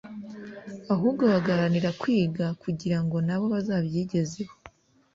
ahubwo bagaharanira kwiga kugira ngo nabo bazabyigezeho